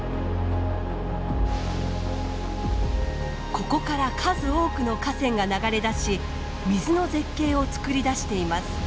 ここから数多くの河川が流れ出し水の絶景をつくり出しています。